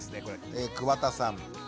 え桑田さん。